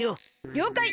りょうかい！